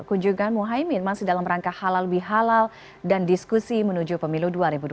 kunjungan muhaymin masih dalam rangka halal bihalal dan diskusi menuju pemilu dua ribu dua puluh